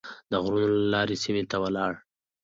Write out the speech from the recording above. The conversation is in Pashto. د غرونو له لارې سیمې ته ولاړ.